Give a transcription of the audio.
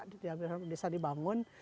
diambil dari rumah di desa dibangun